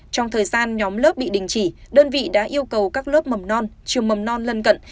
trong thời gian nhóm lớp bị đình chỉ đơn vị đã yêu cầu các lớp mầm non trường mầm non lân cận